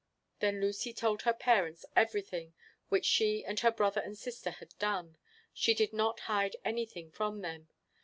Then Lucy told her parents everything which she and her brother and sister had done; she did not hide anything from them.